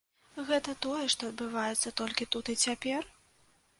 Гэта тое, што адбываецца толькі тут і цяпер?